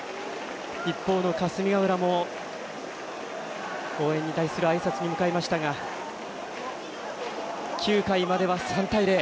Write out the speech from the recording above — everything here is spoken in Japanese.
一方の霞ヶ浦も応援に対するあいさつに向かいましたが９回までは３対０。